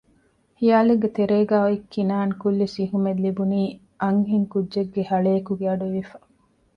ހިޔާލެއްގެ ތެރޭގައި އޮތް ކިނާން ކުއްލި ސިހުމެއް ލިބުނީ އަންހެން ކުއްޖެއްގެ ހަޅޭކުގެ އަޑުއިވިފަ